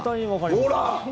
ほら！